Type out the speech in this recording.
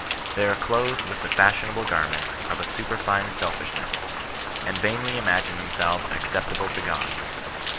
Thej are clothed with the fashionable garments of a superfine selfishness, and vainly imagine themsdves acceptable to Gk)d.